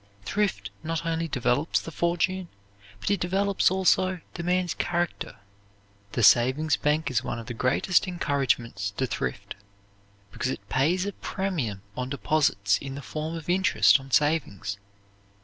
Thrift not only develops the fortune, but it develops, also, the man's character." The savings bank is one of the greatest encouragements to thrift, because it pays a premium on deposits in the form of interest on savings.